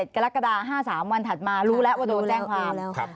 กรกฎา๕๓วันถัดมารู้แล้วว่าโดนแจ้งความ